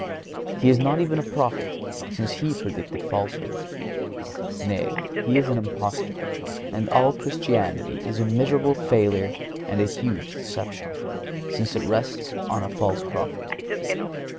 He is not even a prophet, since He predicted falsehood. Nay, He is an impostor, and all Christianity is a miserable failure and a huge deception, since it rests on a false Prophet.